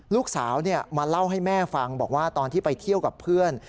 ลูกสาวมาเล่าให้แม่ฟังบอกว่าตอนที่ไปเที่ยวกับเพื่อน